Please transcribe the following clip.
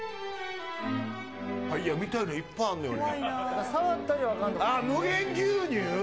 見たいのいっぱいあんねん俺。